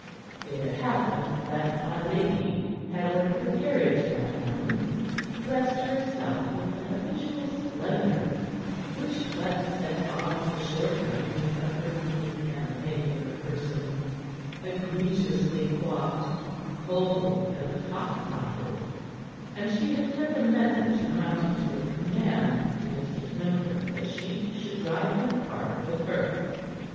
It had happened that my lady had ordered her carriage that morning, dressed herself with the habitual splendor, which but set off the shortcomings of her lean and angular person, egregiously coiffed, pulvilled and topknotted, and she had sent a message amounting to a command to Mistress Winthrop that she should drive in the park with her.